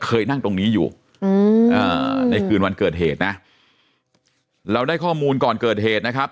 เคยนั่งตรงนี้อยู่อืมอ่าในคืนวันเกิดเหตุนะเราได้ข้อมูลก่อนเกิดเหตุนะครับ